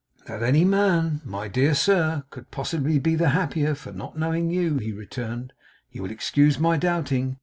'That any man, my dear sir, could possibly be the happier for not knowing you,' he returned, 'you will excuse my doubting.